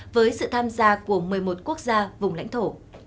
với sự tham gia của một mươi một quốc gia vùng lãnh thổ